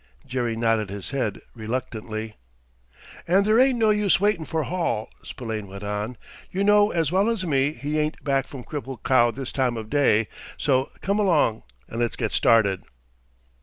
Jerry nodded his head reluctantly. "And there ain't no use waitin' for Hall," Spillane went on. "You know as well as me he ain't back from Cripple Cow this time of day! So come along and let's get started."